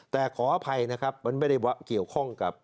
แต่ขออภัยนะครับมันไม่ได้เกี่ยวข้องกับ